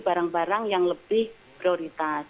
barang barang yang lebih prioritas